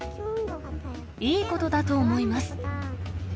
いいことだと思います。